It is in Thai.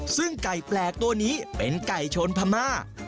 ซึ่งไก่แปลกตัวนี้เป็นไก่ชนพม่า